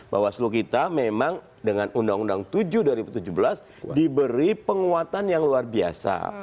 bawaslu kita memang dengan undang undang tujuh dua ribu tujuh belas diberi penguatan yang luar biasa